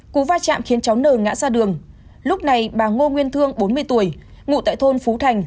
cú va chạm khiến cháu nờ ngã ra đường lúc này bà ngô nguyên thương bốn mươi tuổi ngụ tại thôn phú thành